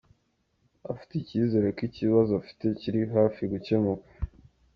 Afite icyizere ko ikibazo afite kiri hafi gukemuka.